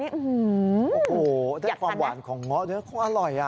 โอ้โหได้ความหวานของเมาะเนื้อคงอร่อย